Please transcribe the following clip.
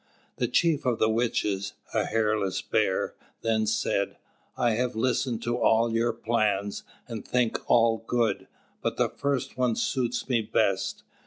The chief of the witches, a hairless bear, then said: "I have listened to all your plans, and think all good; but the first one suits me best.